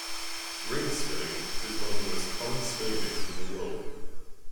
Ring spinning is one of the most common spinning methods in the world.